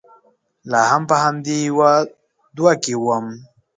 لا هم په همدې يوه دوه کې ووم.